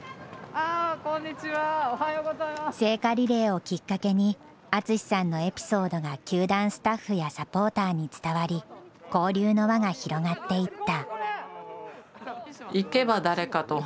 聖火リレーをきっかけに、淳さんのエピソードが球団スタッフやサポーターに伝わり、交流の輪が広がっていった。